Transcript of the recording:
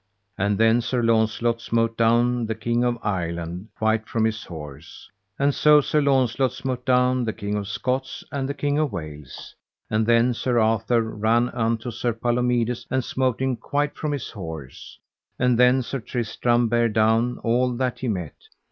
And then Sir Launcelot smote down the King of Ireland quite from his horse; and so Sir Launcelot smote down the King of Scots, and the King of Wales; and then Sir Arthur ran unto Sir Palomides and smote him quite from his horse; and then Sir Tristram bare down all that he met.